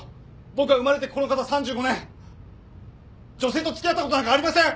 僕は生まれてこの方３５年女性と付き合ったことなんかありません！